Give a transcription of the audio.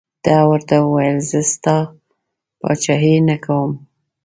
ده ورته وویل زه ستا پاچهي نه کوم.